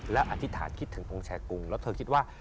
และอธิษฐานคิดถึงองค์แชร์กรุงแล้วเธอคิดว่า